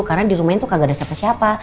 karena di rumahnya tuh kagak ada siapa siapa